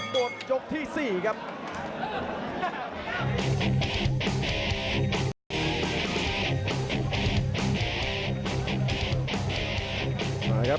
หมดยกที่๔ครับ